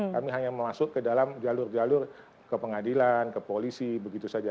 kami hanya masuk ke dalam jalur jalur ke pengadilan ke polisi begitu saja